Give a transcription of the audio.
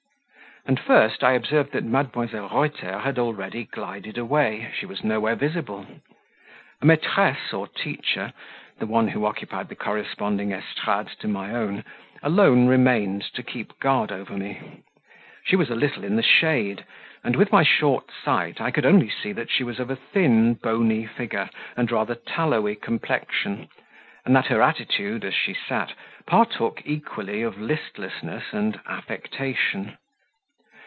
And first I observed that Mdlle. Reuter had already glided away, she was nowhere visible; a maitresse or teacher, the one who occupied the corresponding estrade to my own, alone remained to keep guard over me; she was a little in the shade, and, with my short sight, I could only see that she was of a thin bony figure and rather tallowy complexion, and that her attitude, as she sat, partook equally of listlessness and affectation.